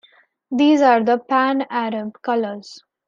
These are the Pan-Arab colors.